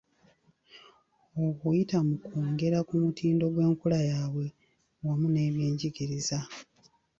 Okuyita mu kwongera ku mutindo gw’enkula yaabwe wamu n’ebyenjigiriza.